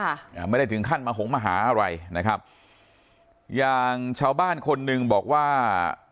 อ่าไม่ได้ถึงขั้นมาหงมาหาอะไรนะครับอย่างชาวบ้านคนหนึ่งบอกว่า